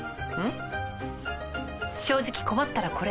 正直困ったらこれ。